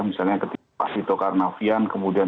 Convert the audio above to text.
misalnya ketika pak tito karnavian kemudian